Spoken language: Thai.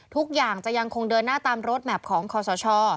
ทุกอย่างจะยังคงเดินหน้าตามรถแมพของคอสช